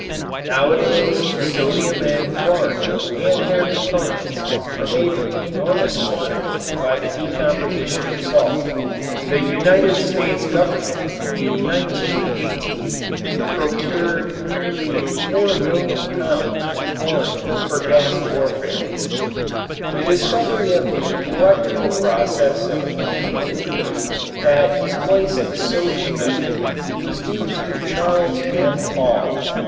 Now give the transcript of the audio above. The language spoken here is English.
Nowadays sodium and chlorine and their components are made in enormous quantities by the decomposition of salt. The United States Government in 1918 procured nearly 4,000,000 pounds of chlorine for gas warfare. The discovery of the electrical process of making aluminum that displaced the sodium method was due to Charles M. Hall.